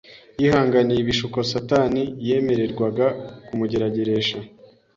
Yihanganiye ibishuko Satani yemererwaga kumugerageresha